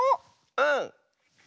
うん。